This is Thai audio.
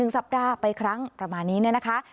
สัปดาห์ไปครั้งประมาณนี้เนี่ยนะคะ